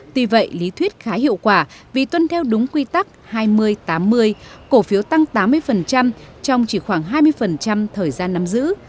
tuy vậy lý thuyết khá hiệu quả vì tuân theo đúng quy tắc hai mươi tám mươi cổ phiếu tăng tám mươi trong chỉ khoảng hai mươi thời gian nắm giữ